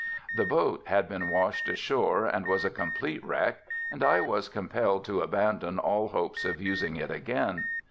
The boat had been washed ashore and was a complete wreck and I was compelled to abandon all hopes of using it again.